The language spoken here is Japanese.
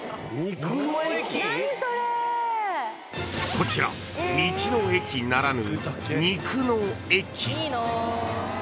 ［こちら道の駅ならぬ］